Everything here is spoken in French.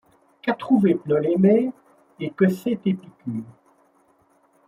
Qu’a trouvé Ptolémée et que sait Épicure ?